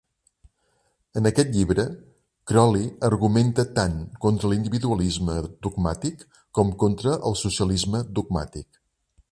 En aquest llibre, Croly argumenta tant contra l'individualisme dogmàtic com contra el socialisme dogmàtic.